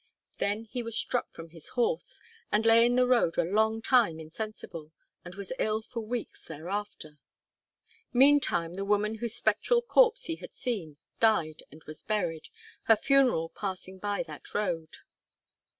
Then he was struck from his horse, and lay in the road a long time insensible, and was ill for weeks thereafter. Meantime, the woman whose spectral corpse he had seen, died and was buried, her funeral passing by that road.